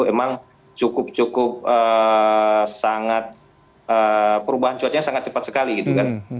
emang cukup cukup sangat perubahan cuacanya sangat cepat sekali gitu kan